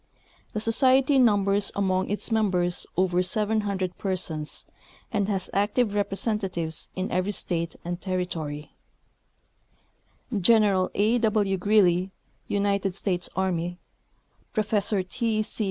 The Society numbers over seven liundred members, and has active representatives in every state and territory. General A. W. Greely, United States Army, Professor T. C.